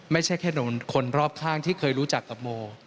ไม่ใช่แค่คนรอบข้างที่เคยรู้จักกับโม